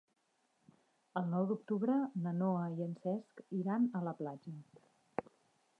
El nou d'octubre na Noa i en Cesc iran a la platja.